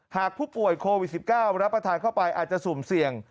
หากผู้ป่วยโควิด๑๙รับประทานเข้าไปอาจจะสุ่มเสี่ยง